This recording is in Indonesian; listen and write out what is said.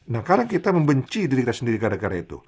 nah karena kita membenci diri kita sendiri gara gara itu